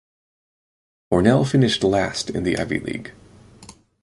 Cornell finished last in the Ivy League.